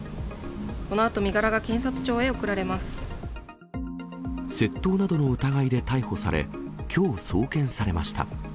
このあと、窃盗などの疑いで逮捕され、きょう送検されました。